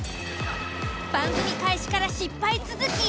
番組開始から失敗続き。